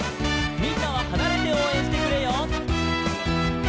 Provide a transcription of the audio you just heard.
「みんなははなれておうえんしてくれよ」